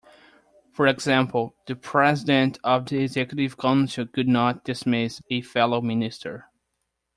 For example, the President of the Executive Council could not dismiss a fellow minister.